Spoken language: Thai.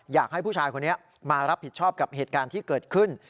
อยากให้ผู้ชายคนนี้มารับผิดชอบกับเหตุการณ์ที่เกิดขึ้น